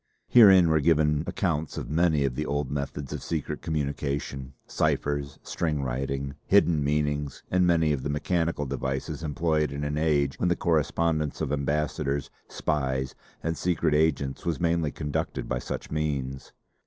Herein were given accounts of many of the old methods of secret communication, ciphers, string writing, hidden meanings, and many of the mechanical devices employed in an age when the correspondence of ambassadors, spies and secret agents was mainly conducted by such means.